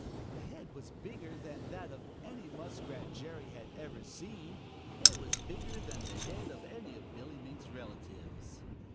The head was bigger than that of any Muskrat Jerry had ever seen. It was bigger than the head of any of Billy Mink's relatives.